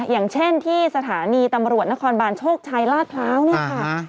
อย่างเช่นที่สถานีตำรวจนครบานโชคชัยลาดพร้าวนี่ค่ะ